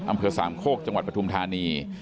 อำเภอสามโคกจังหวัดปฐุมธานี